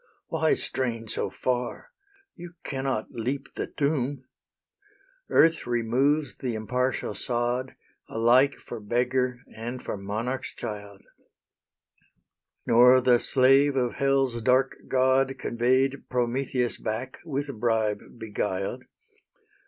Why strain so far? you cannot leap the tomb. Earth removes the impartial sod Alike for beggar and for monarch's child: Nor the slave of Hell's dark god Convey'd Prometheus back, with bribe beguiled.